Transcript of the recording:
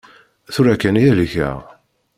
Tura kan i helkeɣ.